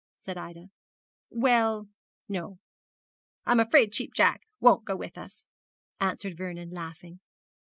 said Ida. 'Well, no; I'm afraid Cheap Jack won't go with us!' answered Vernon, laughing.